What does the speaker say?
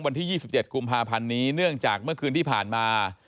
วันที่๒๗กุมภาพันธ์นี้เนื่องจากเมื่อคืนที่ผ่านมา